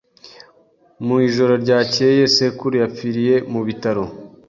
Mu ijoro ryakeye, sekuru yapfiriye mu bitaro.